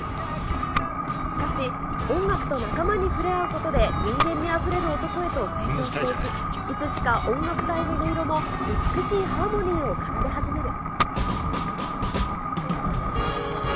しかし、音楽と仲間に触れ合うことで、人間味あふれる男へと成長していき、いつしか音楽隊の音色も美しいハーモニーを奏で始める。